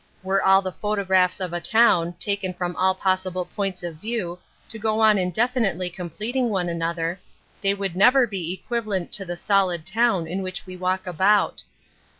Were all the photographs of a town, taken from all possible points of view, to go on indefinitely completing one another, they would never be equivalent to the solid town in which we walk about.